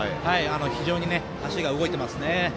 非常に足が動いてますね。